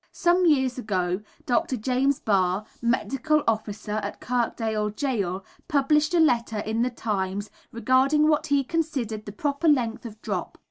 Some years ago, Dr. James Barr, medical officer at Kirkdale Gaol, published a letter in the Times regarding what he considered the proper length of drop.